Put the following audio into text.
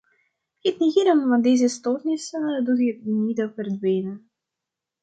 Het negeren van deze stoornissen doet hen niet verdwijnen.